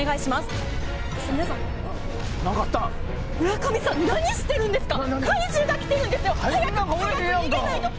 村上さん、何しているんですが。